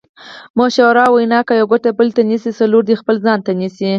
مشهوره وینا: که یوه ګوته بل ته نیسې څلور دې خپل ځان ته نیسې.